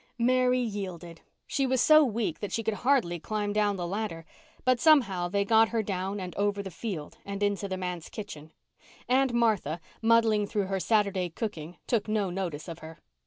Mary yielded. She was so weak that she could hardly climb down the ladder, but somehow they got her down and over the field and into the manse kitchen. Aunt Martha, muddling through her Saturday cooking, took no notice of her.